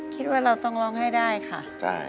คิดว่าเราต้องร้องให้ได้ค่ะ